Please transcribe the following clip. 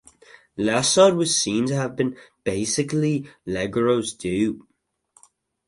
Lessard was seen to have been basically Legros's dupe.